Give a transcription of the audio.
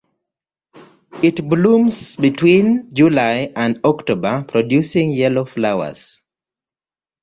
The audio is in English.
It blooms between July and October producing yellow flowers.